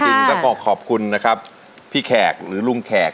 และขอบคุณนะครับพี่แขกหรือรุ่นแขก